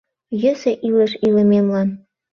Йӧсӧ илыш илымемлан.